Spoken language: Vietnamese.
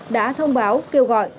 đã thông báo kêu gọi